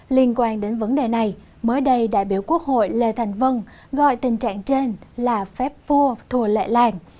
liên quan đến vấn đề này mới đây đại biểu quốc hội lê thành vân gọi tình trạng trên là phép vua thùa lệ làng